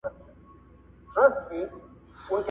د نړۍوالو ارزښتونو تعامل داسي رامنځته سي